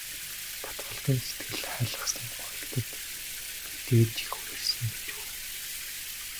Батболдын сэтгэл хайлгасан гуйлтад би тэгж их уярсан гэж үү.